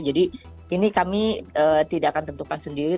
jadi ini kami tidak akan tentukan sendiri